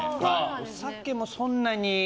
お酒もそんなに。